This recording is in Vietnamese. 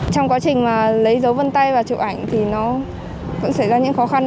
trong quá trình mà lấy dấu vân tay và chụp ảnh thì nó vẫn xảy ra những khó khăn